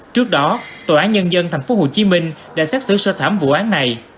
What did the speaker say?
trước đó tòa án nhân dân tp hcm đã xét xử sơ thảm vụ án này